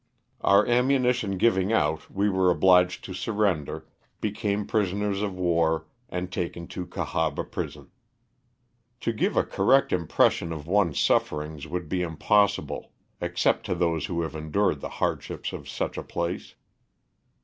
Our ammunition giving out we were obliged to surrender, became prisoners of war, and taken to Cahaba prison. To give a correct im pression of one's sufferings would be impossible, ex cept to those who have endured the hardships of such a place.